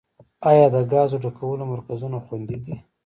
آیا د ګازو ډکولو مرکزونه خوندي دي؟